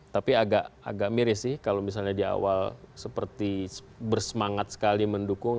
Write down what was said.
tapi agak miris sih kalau misalnya di awal seperti bersemangat sekali mendukung